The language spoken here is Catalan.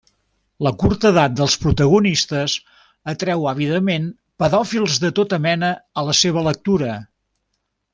La curta edat dels protagonistes atreu àvidament pedòfils de tota mena a la seva lectura.